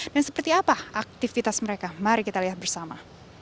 seperti apa aktivitas mereka mari kita lihat bersama